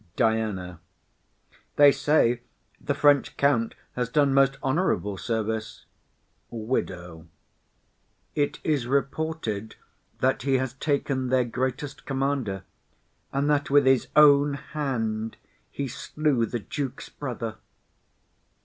DIANA. They say the French count has done most honourable service. WIDOW. It is reported that he has taken their great'st commander, and that with his own hand he slew the duke's brother.